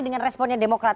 dengan responnya demokrat